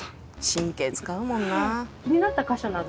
神経使うもんな。